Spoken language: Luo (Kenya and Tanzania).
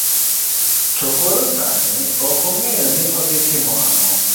To koro sani, ok ong'eyo ni odhi timo ang'o.